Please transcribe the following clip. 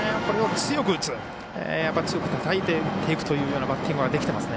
強くたたいて打っていくというバッティングができていますね。